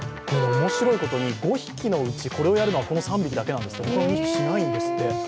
面白いことに５匹のうち、これをやるのはこの３匹だけで、他の２匹しないんですって。